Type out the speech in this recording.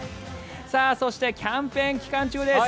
そしてキャンペーン期間中です。